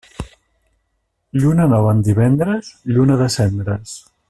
Lluna nova en divendres, lluna de cendres.